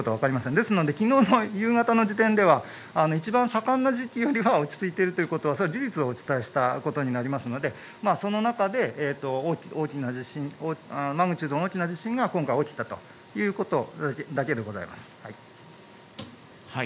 ですので、きのうの夕方の時点では一番盛んな時期よりは落ち着いているということは事実をお伝えしたことになりますのでその中で大きな地震マグニチュードの大きな地震が起きたということだけでございます。